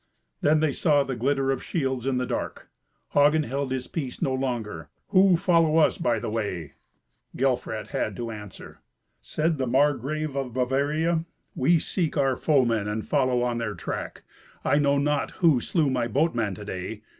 Then they saw the glitter of shields in the dark. Hagen held his peace no longer, "Who follow us by the way?" Gelfrat had to answer. Said the Margrave of Bavaria, "We seek our foemen and follow on their track. I know not who slew my boatman to day.